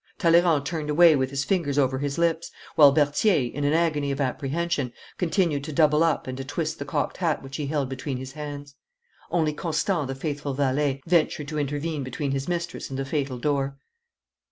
Talleyrand turned away with his fingers over his lips, while Berthier, in an agony of apprehension, continued to double up and to twist the cocked hat which he held between his hands. Only Constant, the faithful valet, ventured to intervene between his mistress and the fatal door.